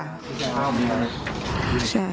พี่ชายของพี่แม่นะครับค่ะใช่